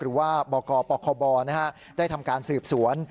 หรือว่าบอกรปคบได้ทำการสืบสวน